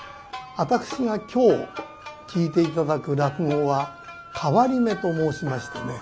私が今日聴いて頂く落語は「替り目」と申しましてね